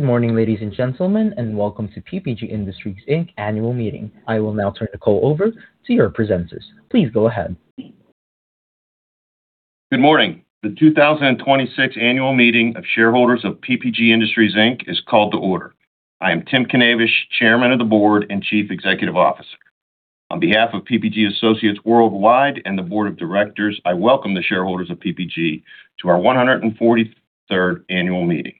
Good morning, ladies and gentlemen, and welcome to PPG Industries, Inc. Annual Meeting. I will now turn the call over to your presenters. Please go ahead. Good morning. The 2026 annual meeting of shareholders of PPG Industries, Inc. is called to order. I am Tim Knavish, Chairman of the Board and Chief Executive Officer. On behalf of PPG Associates worldwide and the board of directors, I welcome the shareholders of PPG to our 143rd annual meeting.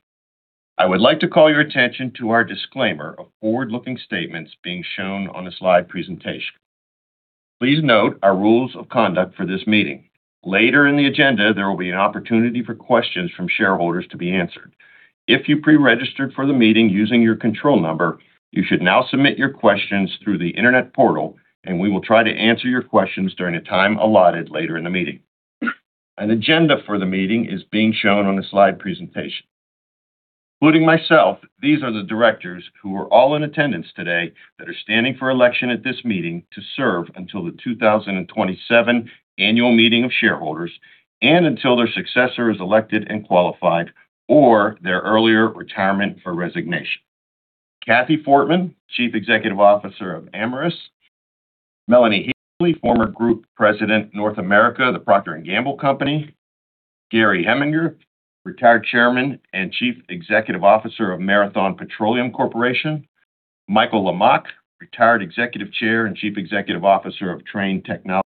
I would like to call your attention to our disclaimer of forward-looking statements being shown on the slide presentation. Please note our rules of conduct for this meeting. Later in the agenda, there will be an opportunity for questions from shareholders to be answered. If you pre-registered for the meeting using your control number, you should now submit your questions through the internet portal, and we will try to answer your questions during the time allotted later in the meeting. An agenda for the meeting is being shown on the slide presentation. Including myself, these are the directors who are all in attendance today that are standing for election at this meeting to serve until the 2027 annual meeting of shareholders and until their successor is elected and qualified, or their earlier retirement or resignation. Kathy Fortmann, Chief Executive Officer of Amyris. Melanie Healey, former Group President, North America, The Procter & Gamble Company. Gary Heminger, Retired Chairman and Chief Executive Officer of Marathon Petroleum Corporation. Michael Lamach, Retired Executive Chair and Chief Executive Officer of Trane Technologies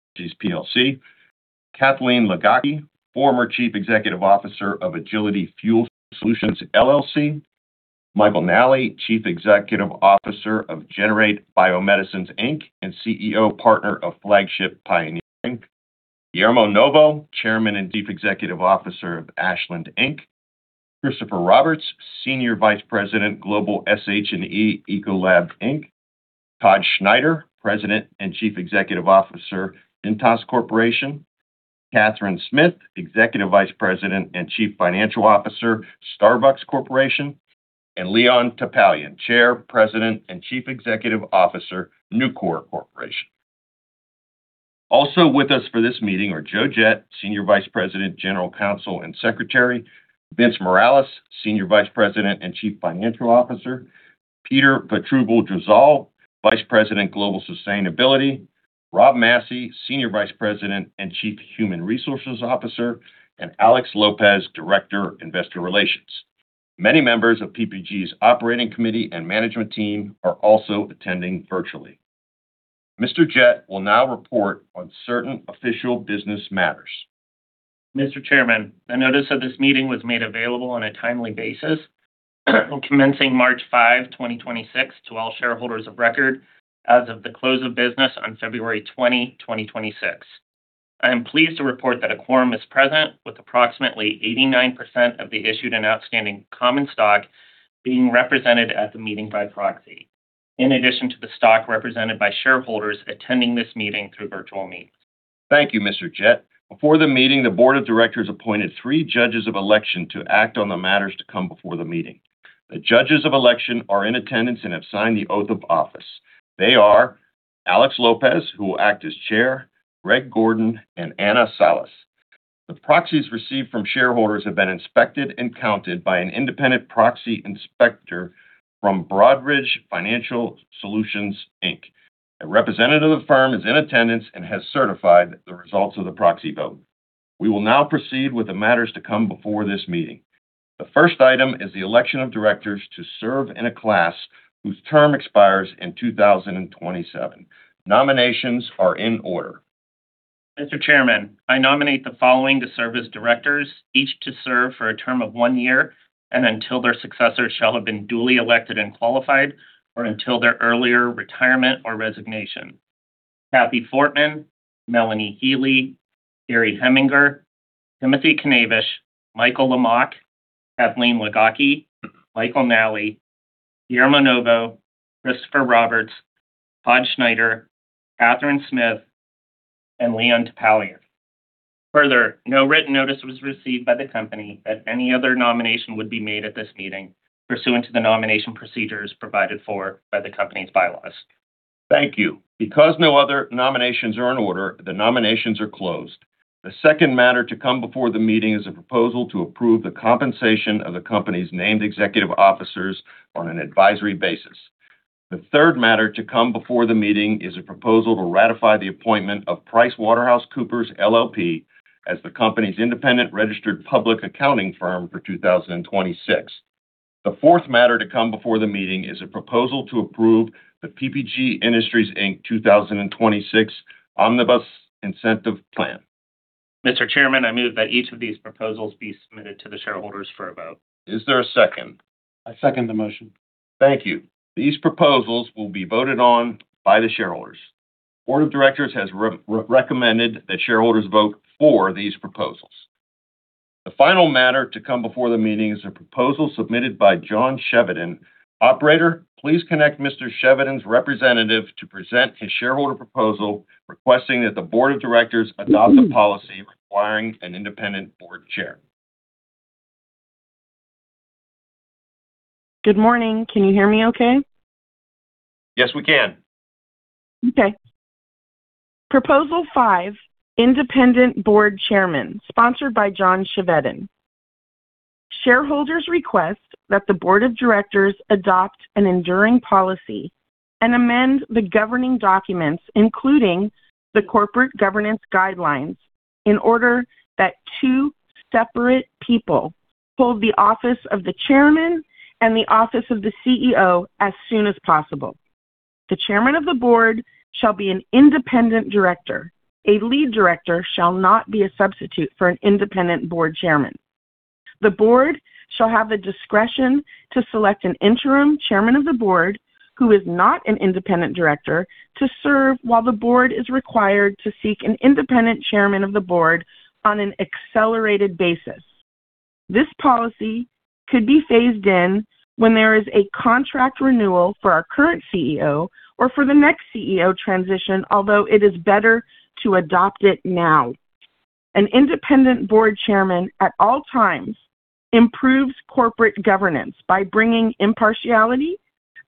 PLC. Kathleen Ligocki, former Chief Executive Officer of Agility Fuel Solutions LLC. Michael Nally, Chief Executive Officer of Generate Biomedicines, Inc. and CEO partner of Flagship Pioneering. Guillermo Novo, Chairman and Chief Executive Officer of Ashland Inc. Christopher Roberts, Senior Vice President, Global SH&E, Ecolab Inc. Todd Schneider, President and Chief Executive Officer, Cintas Corporation. Catherine Smith, Executive Vice President and Chief Financial Officer, Starbucks Corporation, and Leon Topalian, Chair, President, and Chief Executive Officer, Nucor Corporation. Also with us for this meeting are Joe Gette, Senior Vice President, General Counsel, and Secretary. Vince Morales, Senior Vice President and Chief Financial Officer. Peter Votruba-Drzal, Vice President, Global Sustainability. Rob Massy, Senior Vice President and Chief Human Resources Officer, and Alex Lopez, Director, Investor Relations. Many members of PPG's operating committee and management team are also attending virtually. Mr. Gette will now report on certain official business matters. Mr. Chairman, a notice of this meeting was made available on a timely basis commencing March 5, 2026, to all shareholders of record as of the close of business on February 20, 2026. I am pleased to report that a quorum is present, with approximately 89% of the issued and outstanding common stock being represented at the meeting by proxy, in addition to the stock represented by shareholders attending this meeting through virtual means. Thank you, Mr. Gette. Before the meeting, the Board of Directors appointed three judges of election to act on the matters to come before the meeting. The judges of election are in attendance and have signed the oath of office. They are Alex Lopez, who will act as chair, Greg Gordon, and Ana Salas. The proxies received from shareholders have been inspected and counted by an independent proxy inspector from Broadridge Financial Solutions, Inc. A representative of the firm is in attendance and has certified the results of the proxy vote. We will now proceed with the matters to come before this meeting. The first item is the election of directors to serve in a class whose term expires in 2027. Nominations are in order. Mr. Chairman, I nominate the following to serve as directors, each to serve for a term of one year and until their successors shall have been duly elected and qualified or until their earlier retirement or resignation. Kathy Fortmann, Melanie Healey, Gary Heminger, Timothy M. Knavish, Michael Lamach, Kathleen Ligocki, Michael Nally, Guillermo Novo, Christopher Roberts, Todd Schneider, Catherine Smith, and Leon Topalian. Further, no written notice was received by the Company that any other nomination would be made at this meeting pursuant to the nomination procedures provided for by the Company's bylaws. Thank you. Because no other nominations are in order, the nominations are closed. The second matter to come before the meeting is a proposal to approve the compensation of the company's named executive officers on an advisory basis. The third matter to come before the meeting is a proposal to ratify the appointment of PricewaterhouseCoopers LLP as the company's independent registered public accounting firm for 2026. The fourth matter to come before the meeting is a proposal to approve the PPG Industries, Inc. 2026 Omnibus Incentive Plan. Mr. Chairman, I move that each of these proposals be submitted to the shareholders for a vote. Is there a second? I second the motion. Thank you. These proposals will be voted on by the shareholders. Board of Directors has recommended that shareholders vote for these proposals. The final matter to come before the meeting is a proposal submitted by John Chevedden. Operator, please connect Mr. Chevedden's representative to present his shareholder proposal requesting that the board of directors adopt a policy requiring an independent board chair. Good morning. Can you hear me okay? Yes, we can. Okay. Proposal 5, independent board chairman. Sponsored by John Chevedden. Shareholders request that the board of directors adopt an enduring policy and amend the governing documents, including the corporate governance guidelines, in order that two separate people hold the office of the chairman and the office of the CEO as soon as possible. The chairman of the board shall be an independent director. A lead director shall not be a substitute for an independent board chairman. The board shall have the discretion to select an interim chairman of the board, who is not an independent director, to serve while the board is required to seek an independent chairman of the board on an accelerated basis. This policy could be phased in when there is a contract renewal for our current CEO or for the next CEO transition, although it is better to adopt it now. An independent board chairman, at all times, improves corporate governance by bringing impartiality,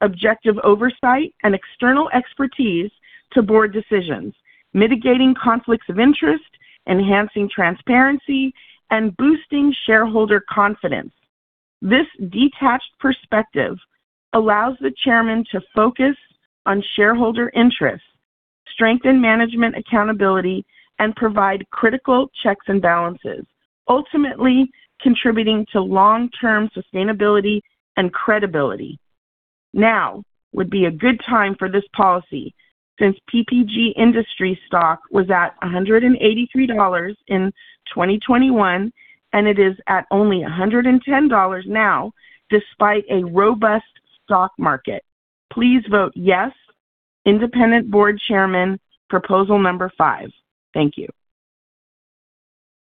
objective oversight, and external expertise to board decisions, mitigating conflicts of interest, enhancing transparency, and boosting shareholder confidence. This detached perspective allows the chairman to focus on shareholder interests, strengthen management accountability, and provide critical checks and balances, ultimately contributing to long-term sustainability and credibility. Now would be a good time for this policy, since PPG Industries stock was at $183 in 2021, and it is at only $110 now despite a robust stock market. Please vote yes, independent board chairman, proposal number five. Thank you.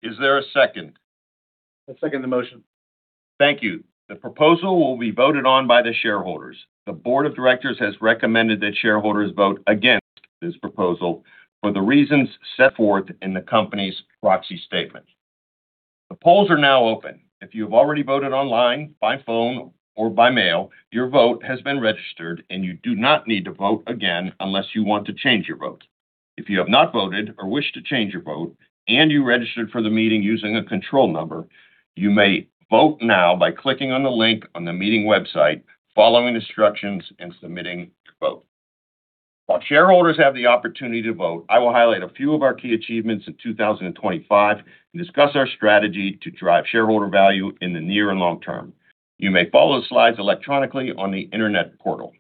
Is there a second? I second the motion. Thank you. The proposal will be voted on by the shareholders. The board of directors has recommended that shareholders vote against this proposal for the reasons set forth in the company's proxy statement. The polls are now open. If you have already voted online, by phone, or by mail, your vote has been registered, and you do not need to vote again unless you want to change your vote. If you have not voted or wish to change your vote and you registered for the meeting using a control number, you may vote now by clicking on the link on the meeting website, following instructions, and submitting your vote. While shareholders have the opportunity to vote, I will highlight a few of our key achievements in 2025 and discuss our strategy to drive shareholder value in the near and long term. You may follow the slides electronically on the internet portal.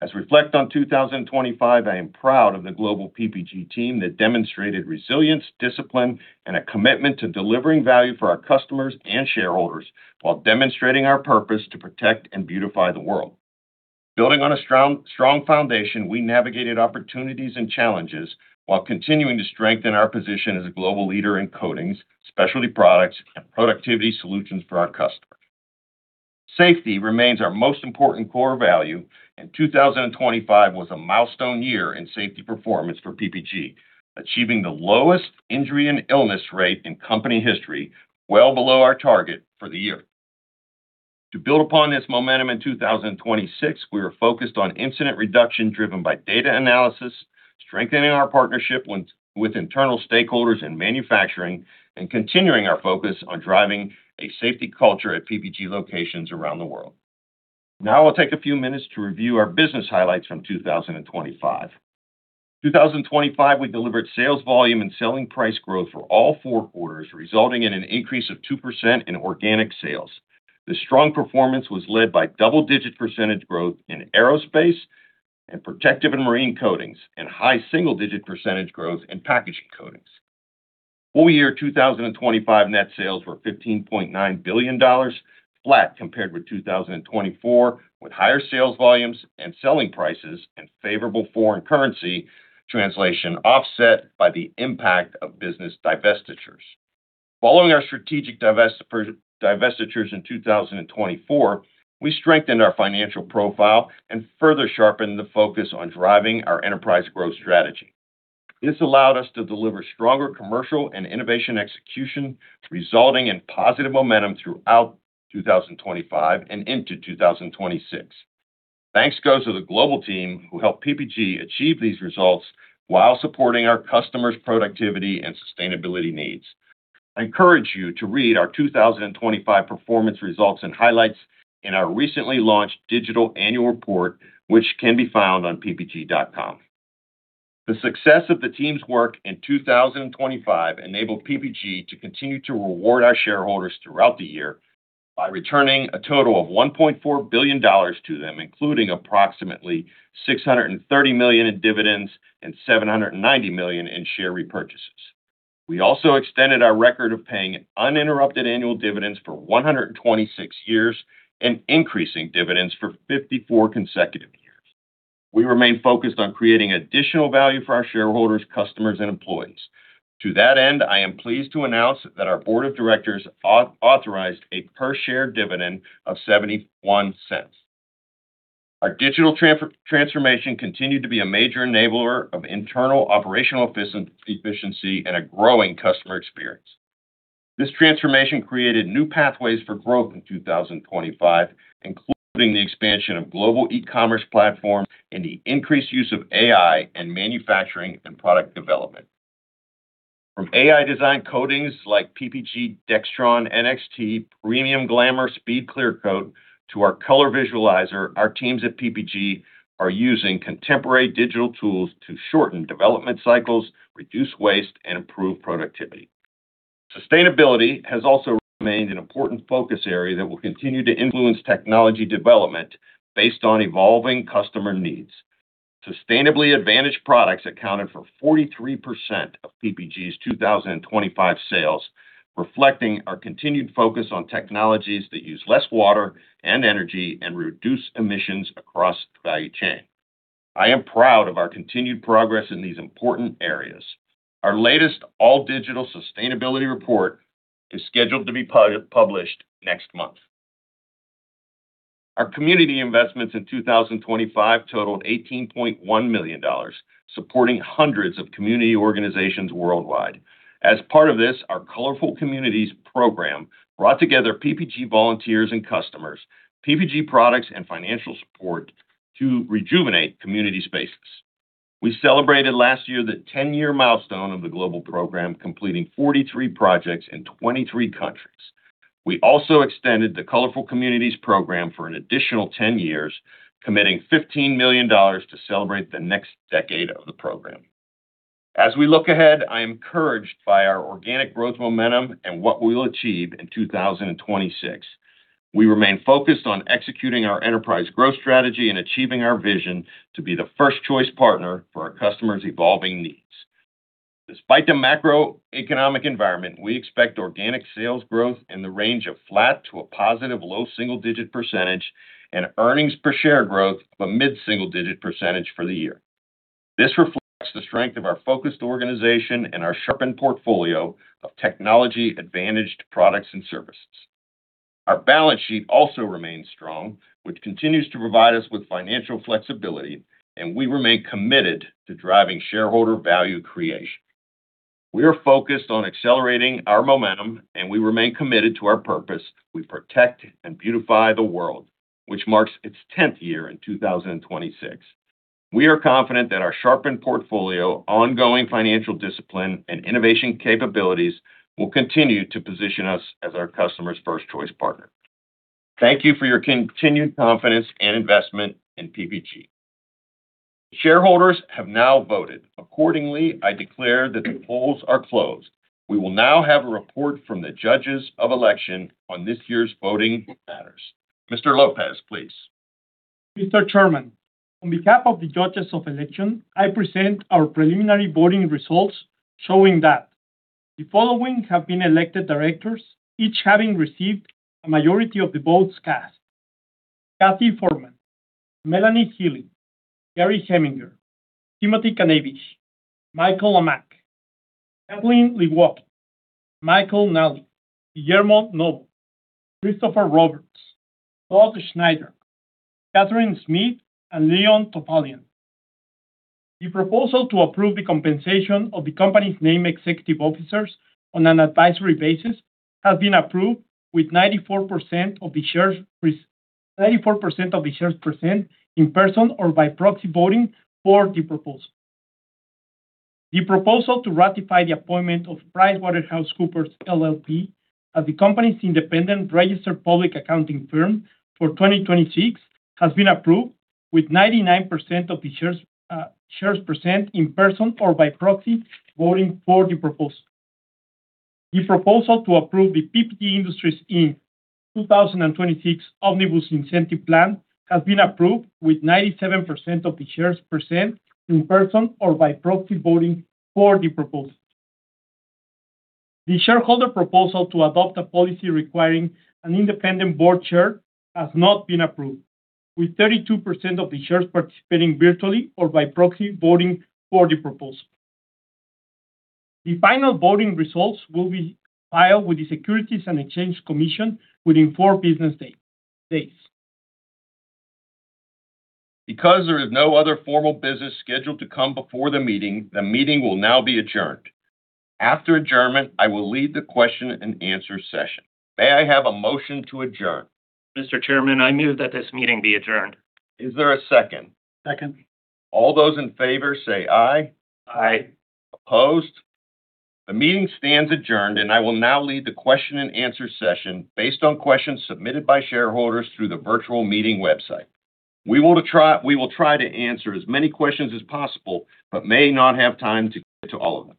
As we reflect on 2025, I am proud of the global PPG team that demonstrated resilience, discipline, and a commitment to delivering value for our customers and shareholders while demonstrating our purpose to protect and beautify the world. Building on a strong foundation, we navigated opportunities and challenges while continuing to strengthen our position as a global leader in coatings, specialty products, and productivity solutions for our customers. Safety remains our most important core value, and 2025 was a milestone year in safety performance for PPG, achieving the lowest injury and illness rate in company history, well below our target for the year. To build upon this momentum in 2026, we are focused on incident reduction driven by data analysis, strengthening our partnership with internal stakeholders in manufacturing, and continuing our focus on driving a safety culture at PPG locations around the world. Now I'll take a few minutes to review our business highlights from 2025. 2025, we delivered sales volume and selling price growth for all four quarters, resulting in an increase of 2% in organic sales. This strong performance was led by double-digit percentage growth in Aerospace and Protective & Marine Coatings, and high single-digit percentage growth in Packaging Coatings. Full year 2025 net sales were $15.9 billion, flat compared with 2024, with higher sales volumes and selling prices and favorable foreign currency translation offset by the impact of business divestitures. Following our strategic divestitures in 2024, we strengthened our financial profile and further sharpened the focus on driving our enterprise growth strategy. This allowed us to deliver stronger commercial and innovation execution, resulting in positive momentum throughout 2025 and into 2026. Thanks goes to the global team who helped PPG achieve these results while supporting our customers' productivity and sustainability needs. I encourage you to read our 2025 performance results and highlights in our recently launched digital annual report, which can be found on ppg.com. The success of the team's work in 2025 enabled PPG to continue to reward our shareholders throughout the year by returning a total of $1.4 billion to them, including approximately $630 million in dividends and $790 million in share repurchases. We also extended our record of paying uninterrupted annual dividends for 126 years and increasing dividends for 54 consecutive years. We remain focused on creating additional value for our shareholders, customers, and employees. To that end, I am pleased to announce that our board of directors authorized a per share dividend of $0.71. Our digital transformation continued to be a major enabler of internal operational efficiency and a growing customer experience. This transformation created new pathways for growth in 2025, including the expansion of global e-commerce platforms and the increased use of AI in manufacturing and product development. From AI design coatings like PPG Deltron NXT Premium Glamour Speed Clearcoat to our color visualizer, our teams at PPG are using contemporary digital tools to shorten development cycles, reduce waste, and improve productivity. Sustainability has also remained an important focus area that will continue to influence technology development based on evolving customer needs. Sustainably advantaged products accounted for 43% of PPG's 2025 sales, reflecting our continued focus on technologies that use less water and energy and reduce emissions across the value chain. I am proud of our continued progress in these important areas. Our latest all-digital sustainability report is scheduled to be published next month. Our community investments in 2025 totaled $18.1 million, supporting hundreds of community organizations worldwide. As part of this, our Colorful Communities program brought together PPG volunteers and customers, PPG products, and financial support to rejuvenate community spaces. We celebrated last year the 10-year milestone of the global program, completing 43 projects in 23 countries. We also extended the Colorful Communities program for an additional 10 years, committing $15 million to celebrate the next decade of the program. As we look ahead, I am encouraged by our organic growth momentum and what we will achieve in 2026. We remain focused on executing our enterprise growth strategy and achieving our vision to be the first choice partner for our customers' evolving needs. Despite the macroeconomic environment, we expect organic sales growth in the range of flat to a positive low single-digit percentage and earnings per share growth of a mid-single-digit percentage for the year. This reflects the strength of our focused organization and our sharpened portfolio of technology-advantaged products and services. Our balance sheet also remains strong, which continues to provide us with financial flexibility, and we remain committed to driving shareholder value creation. We are focused on accelerating our momentum, and we remain committed to our purpose: we protect and beautify the world, which marks its 10th year in 2026. We are confident that our sharpened portfolio, ongoing financial discipline, and innovation capabilities will continue to position us as our customers' first choice partner. Thank you for your continued confidence and investment in PPG. Shareholders have now voted. Accordingly, I declare that the polls are closed. We will now have a report from the judges of election on this year's voting matters. Mr. Lopez, please. Mr. Chairman, on behalf of the judges of election, I present our preliminary voting results showing that the following have been elected directors, each having received a majority of the votes cast: Kathy Fortmann, Melanie Healey, Gary Heminger, Timothy Knavish, Michael Lamach, Kathleen Ligocki, Michael Nally, Guillermo Novo, Christopher Roberts, Todd Schneider, Catherine Smith, and Leon Topalian. The proposal to approve the compensation of the company's named executive officers on an advisory basis has been approved with 94% of the shares present in person or by proxy voting for the proposal. The proposal to ratify the appointment of PricewaterhouseCoopers LLP as the company's independent registered public accounting firm for 2026 has been approved with 99% of the shares present in person or by proxy voting for the proposal. The proposal to approve the PPG Industries Inc. 2026 Omnibus Incentive Plan has been approved with 97% of the shares present in person or by proxy voting for the proposal. The shareholder proposal to adopt a policy requiring an independent board chair has not been approved, with 32% of the shares participating virtually or by proxy voting for the proposal. The final voting results will be filed with the Securities and Exchange Commission within four business days. Because there is no other formal business scheduled to come before the meeting, the meeting will now be adjourned. After adjournment, I will lead the question and answer session. May I have a motion to adjourn? Mr. Chairman, I move that this meeting be adjourned. Is there a second? Second. All those in favor say aye. Aye. Opposed? The meeting stands adjourned, and I will now lead the question and answer session based on questions submitted by shareholders through the virtual meeting website. We will try to answer as many questions as possible but may not have time to get to all of them.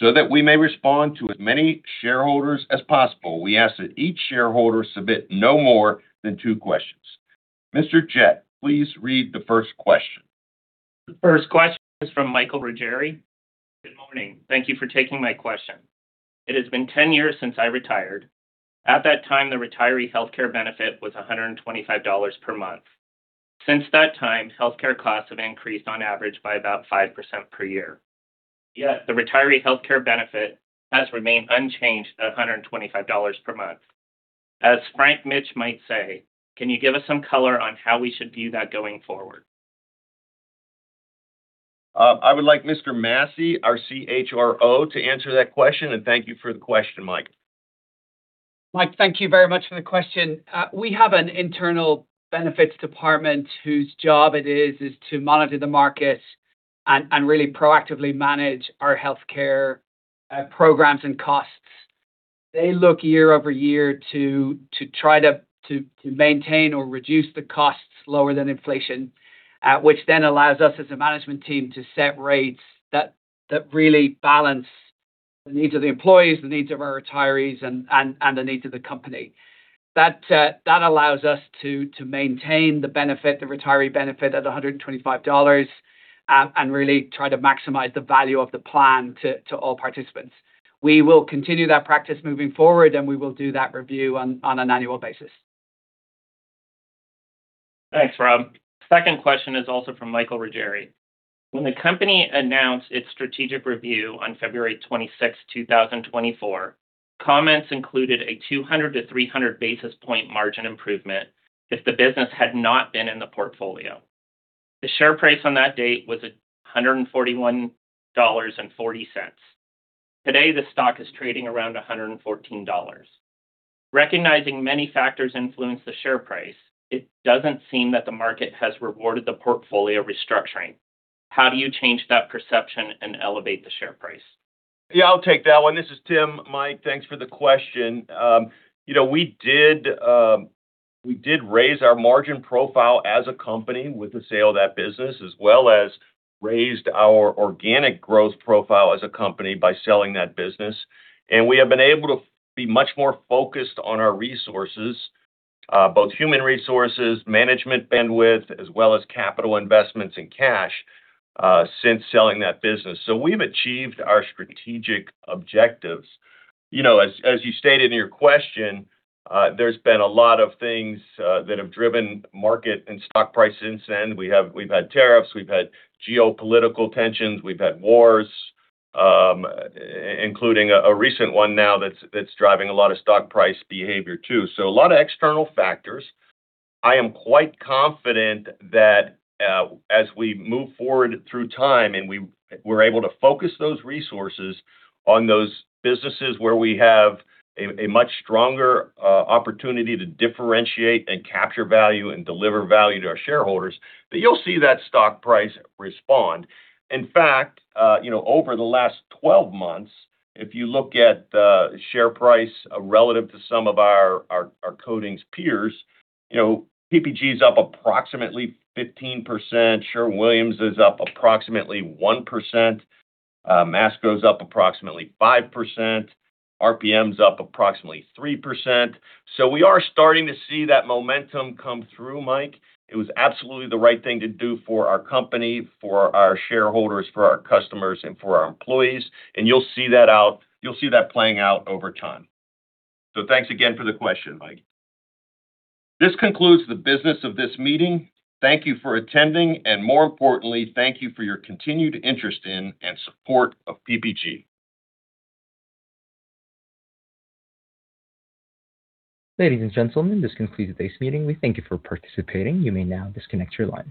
So that we may respond to as many shareholders as possible, we ask that each shareholder submit no more than two questions. Mr. Gette, please read the first question. The first question is from Michael Ruggieri. "Good morning. Thank you for taking my question. It has been 10 years since I retired. At that time, the retiree healthcare benefit was $125 per month. Since that time, healthcare costs have increased on average by about 5% per year. Yet the retiree healthcare benefit has remained unchanged at $125 per month. As Frank Mitsch might say, can you give us some color on how we should view that going forward? I would like Mr. Massy, our CHRO, to answer that question. Thank you for the question, Mike. Mike, thank you very much for the question. We have an internal benefits department whose job it is to monitor the market and really proactively manage our healthcare programs and costs. They look year-over-year to try to maintain or reduce the costs lower than inflation, which then allows us as a management team to set rates that really balance the needs of the employees, the needs of our retirees, and the needs of the company. That allows us to maintain the benefit, the retiree benefit at $125, and really try to maximize the value of the plan to all participants. We will continue that practice moving forward, and we will do that review on an annual basis. Thanks, Rob. Second question is also from Michael Ruggieri. When the company announced its strategic review on February 26, 2024, comments included a 200-300 basis points margin improvement if the business had not been in the portfolio. The share price on that date was $141.40. Today, the stock is trading around $114. Recognizing many factors influence the share price, it doesn't seem that the market has rewarded the portfolio restructuring. How do you change that perception and elevate the share price? Yeah, I'll take that one. This is Tim. Mike, thanks for the question. We did raise our margin profile as a company with the sale of that business, as well as raised our organic growth profile as a company by selling that business. We have been able to be much more focused on our resources, both human resources, management bandwidth, as well as capital investments and cash, since selling that business. We've achieved our strategic objectives. As you stated in your question, there's been a lot of things that have driven market and stock price since then. We've had tariffs, we've had geopolitical tensions, we've had wars, including a recent one now that's driving a lot of stock price behavior too. A lot of external factors. I am quite confident that as we move forward through time and we're able to focus those resources on those businesses where we have a much stronger opportunity to differentiate and capture value and deliver value to our shareholders, that you'll see that stock price respond. In fact, over the last 12 months, if you look at the share price relative to some of our coatings peers, PPG is up approximately 15%, Sherwin-Williams is up approximately 1%, Masco's up approximately 5%, RPM's up approximately 3%. We are starting to see that momentum come through, Mike. It was absolutely the right thing to do for our company, for our shareholders, for our customers, and for our employees, and you'll see that playing out over time. Thanks again for the question, Mike. This concludes the business of this meeting. Thank you for attending, and more importantly, thank you for your continued interest in and support of PPG. Ladies and gentlemen, this concludes today's meeting. We thank you for participating. You may now disconnect your line.